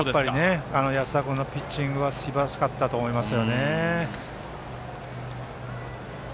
安田君のピッチングはすばらしかったと思います。